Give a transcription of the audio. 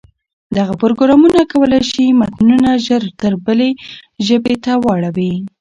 دغه پروګرامونه کولای شي متنونه ژر بلې ژبې ته واړوي.